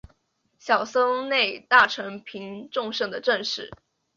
小松内大臣平重盛的正室。